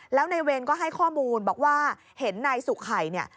แล้วนายเวรก็ให้ข้อมูลบอกว่าเห็นนายสุไข่เนี่ย